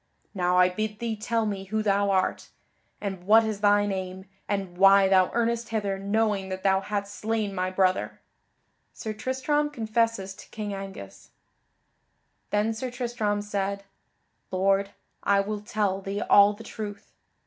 Now I bid thee tell me who thou art, and what is thy name, and why thou earnest hither knowing that thou hadst slain my brother?" [Sidenote: Sir Tristram confesses to King Angus] Then Sir Tristram said, "Lord, I will tell thee all the truth."